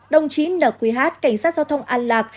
đồng chí nqh cảnh sát giao thông ăn lạc